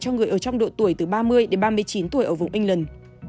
cho người ở trong độ tuổi từ ba mươi đến ba mươi chín tuổi ở vùng england